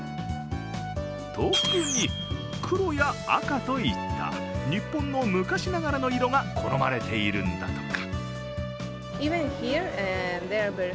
特に、黒や赤といった日本の昔ながらの色が好まれているんだとか。